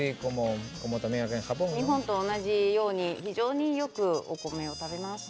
日本と同じように、非常によくお米を食べます。